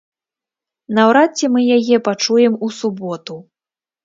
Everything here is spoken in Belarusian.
Наўрад ці мы яе пачуем у суботу.